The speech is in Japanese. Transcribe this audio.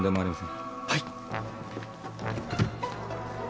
はい。